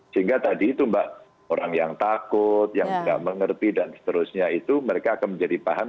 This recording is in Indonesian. sehingga tadi itu mbak orang yang takut yang tidak mengerti dan seterusnya itu mereka akan menjadi paham